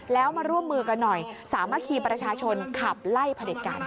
แล้วมาร่วมมือกันหน่อยสามัคคีประชาชนขับไล่ผลิตการ